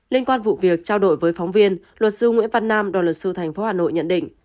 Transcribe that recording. liên quan vụ việc trao đổi với phóng viên luật sư nguyễn văn nam đoàn luật sư thành phố hà nội nhận định